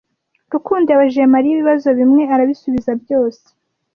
Rukundo yabajije Mariya ibibazo bimwe arabisubiza byose.